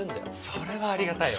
それはありがたいわ。